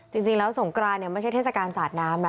จริงแล้วสงกรานเนี่ยไม่ใช่เทศกาลสาดน้ำนะ